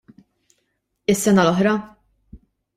Is-sena l-oħra?